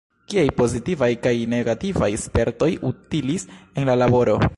Kiaj pozitivaj kaj negativaj spertoj utilis en la laboro?